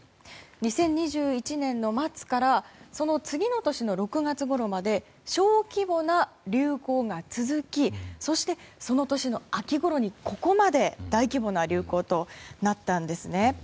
２０２１年の末からその次の年の６月ごろまで小規模な流行が続きそして、その年の秋ごろにここまで大規模な流行となったんですね。